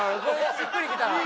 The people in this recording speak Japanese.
しっくりきたわ。